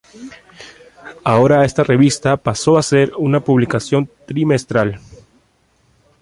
Ahora esta revista pasó a ser una publicación trimestral.